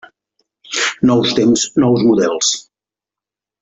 Nous temps, nous models.